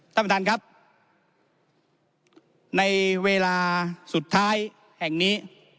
ท่านประธานครับในเวลาสุดท้ายแห่งนี้